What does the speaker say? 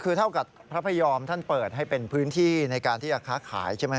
คือเท่ากับพระพยอมท่านเปิดให้เป็นพื้นที่ในการที่จะค้าขายใช่ไหม